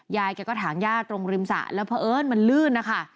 ยายแกก็ถางย่าตรงริมสระแล้วเพราะเอิ้นมันลื่นนะคะ